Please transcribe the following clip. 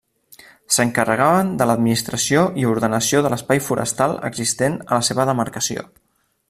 S'encarregaven de l'administració i ordenació de l'espai forestal existent a la seva demarcació.